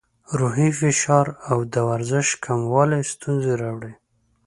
روحي فشار او د ورزش کموالی ستونزې راوړي.